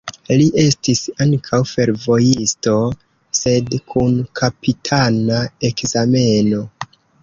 Li estis ankaŭ fervojisto, sed kun kapitana ekzameno.